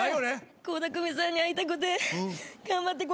倖田來未さんに会いたくて頑張ってこれました